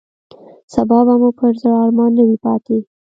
سبا به مو پر زړه ارمان نه وي پاتې.